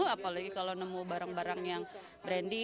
apalagi kalau nemu barang barang yang branding